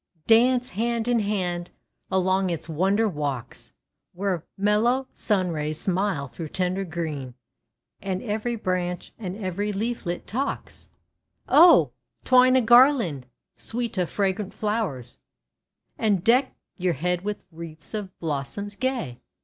Dance hand in hand along its wonder walks, Where mellow sun rays smile through tender green, And every Branch and every Leaflet talks 1 "Oh! twine a garland sweet of fragrant flowers, And deck your head with wreaths of blossoms gay.